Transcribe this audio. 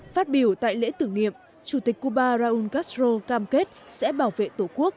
phát biểu tại lễ tưởng niệm chủ tịch cuba raúl castro cam kết sẽ bảo vệ tổ quốc